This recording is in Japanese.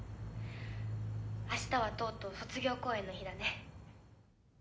明日はとうとう卒業公演の日だね。